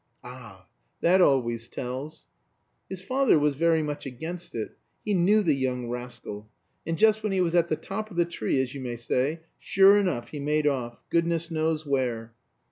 "Ah, that always tells." "His father was very much against it. He knew the young rascal. And just when he was at the top of the tree, as you may say, sure enough he made off goodness knows where."